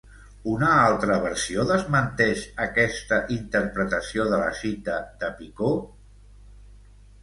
Una altra versió desmenteix aquesta interpretació de la cita de Picaud?